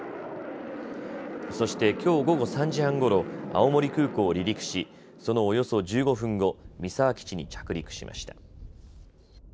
そしてきょう午後３時半ごろ、青森空港を離陸しそのおよそ１５分後、三沢基地に着陸しました。